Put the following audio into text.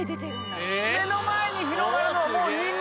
目の前に広がるのはもうニンニク。